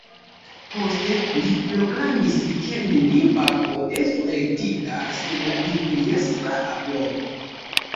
Poste li proklamis ke neniu papo estu elektita sen la imperiestra aprobo.